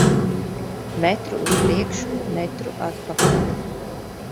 Metru uz priekšu, metru atpakaļ.